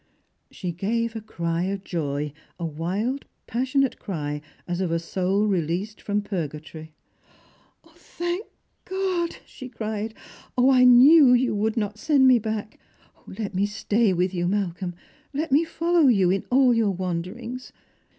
She gave a cry of joy, a wild passionate cry, as of a soul released from purgatory. "Thank God!" she cried. " 0, 1 knew that you would not send me back ! Let me stay with you, Malcolm ; let me follow you in all your wanderings.